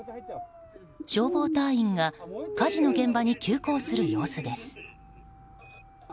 消防隊員が火事の現場に急行する様子です。